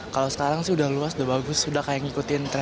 kalau sekarang sih udah luas udah bagus udah kayak ngikutin